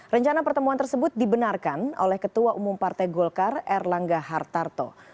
rencana pertemuan tersebut dibenarkan oleh ketua umum partai golkar erlangga hartarto